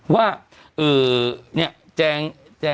ว่าแจง